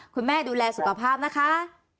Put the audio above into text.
คุณแม่ดูแลสุขภาพนะคะ